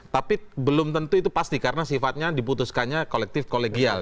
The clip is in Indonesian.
tapi belum tentu itu pasti karena sifatnya diputuskannya kolektif kolegial